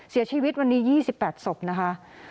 เสียชีวิตวันนี้๒๘ศพนะคะ